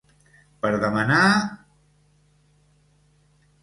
Per demanar...?